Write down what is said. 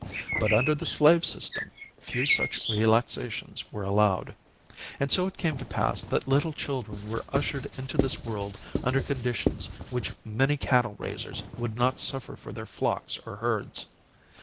But, under the slave system, few such relaxations were allowed. And so it came to pass that little children were ushered into this world under conditions which many cattle raisers would not suffer for their flocks or herds.